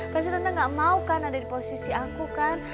pasti tante gak mau kan ada di posisi aku kan